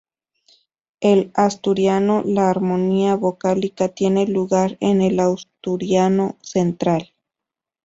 En asturiano, la armonía vocálica tiene lugar en el asturiano central.